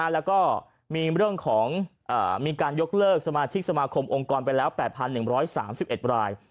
และมีการยกเลิกสมาชิกสมาคมองค์กรไปแล้ว๘๑๓๑ราย